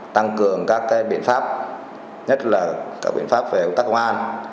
tăng cường các biện pháp nhất là các biện pháp về công tác công an